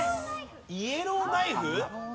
イエローナイフ？